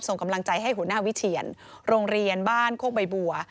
ส่งกำลังใจให้หัวหน้าวิเชียนโรงเรียนบ้านโคกใบบัว